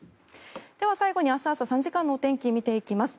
では、最後に明日朝３時間の天気を見ていきます。